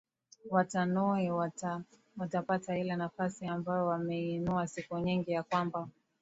watanui wata watapata ile nafasi ambayo wameinuia siku nyingi ya kwamba